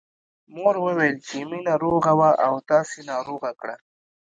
مور وويل چې مينه روغه وه او تاسې ناروغه کړه